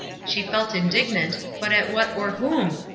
She felt indignant, but at what or whom